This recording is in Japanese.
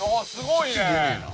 すごいね！